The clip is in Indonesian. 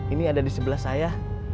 ini ada di sebelah saya